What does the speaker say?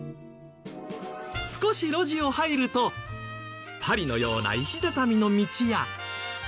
少し路地を入るとパリのような石畳の道や。